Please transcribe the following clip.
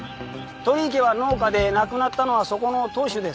鳥居家は農家で亡くなったのはそこの当主です。